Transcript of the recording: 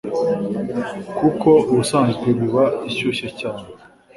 kuko ubusanzwe iba ishyushye cyane.